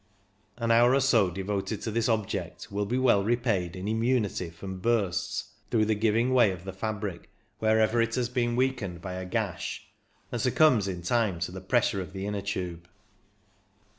An hour or so devoted to this object will be well repaid in immunity from bursts through the giving way of the fabric wherever it has been weakened by a gash, and succumbs in time to the pres sure of the inner tube.